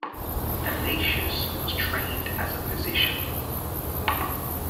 Allatius was trained as a physician.